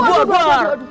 aduh aduh aduh aduh